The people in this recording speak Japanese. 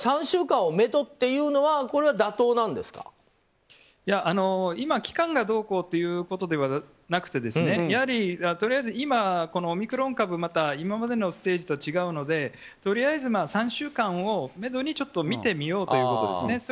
３週間をめどというのは今、期間がどうこうということではなくてやはりとりあえず今、オミクロン株今までのステージと違うのでとりあえず３週間をめどにちょっと見てみようということですね。